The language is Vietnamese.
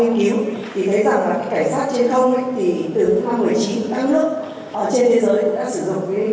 cũng như lực lượng công an nhân dân được bổ sung về phương tiện máy bay